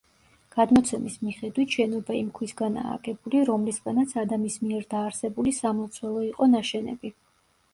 გადმოცემის მიხედვით შენობა იმ ქვისგანაა აგებული, რომლისგანაც ადამის მიერ დაარსებული სამლოცველო იყო ნაშენები.